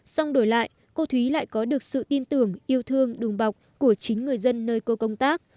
xong đổi lại cô thúy lại có được sự tin tưởng yêu thương đùm bọc của chính người dân nơi cô công tác